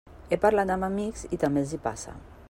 He parlat amb amics i també els hi passa.